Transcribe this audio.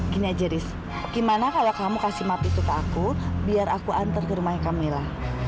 gini aja haris gimana kalau kamu kasih mab itu ke aku biar aku antar ke rumahnya kamila